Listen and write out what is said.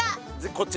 こっち。